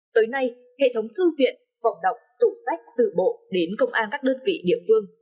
tới nay hệ thống thư viện phòng đọc tủ sách từ bộ đến công an các đơn vị địa phương